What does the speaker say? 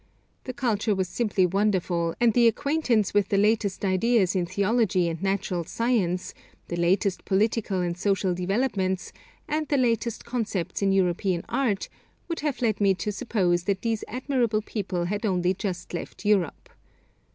The culture was simply wonderful, and the acquaintance with the latest ideas in theology and natural science, the latest political and social developments, and the latest conceptions in European art, would have led me to suppose that these admirable people had only just left Europe.